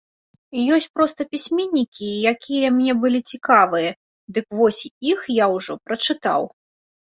Ёсць проста пісьменнікі, якія мне былі цікавыя, дык вось іх я ўжо прачытаў.